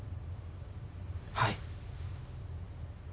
はい。